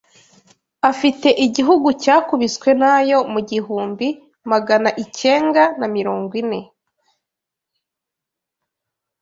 afite igihugu cyakubiswe nayo mu igihumbi magana icyenga na mirongo ine